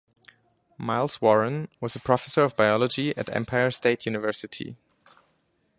Miles Warren was a professor of biology at Empire State University.